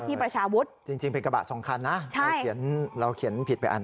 ประชาวุฒิจริงเป็นกระบะสองคันนะเราเขียนเราเขียนผิดไปอัน